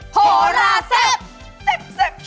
โพลาเซฟเต็ปเต็ป